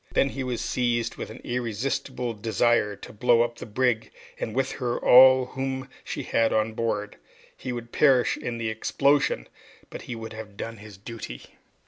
Then he was seized with an irresistible desire to blow up the brig and with her, all whom she had on board. He would perish in the explosion, but he would have done his duty.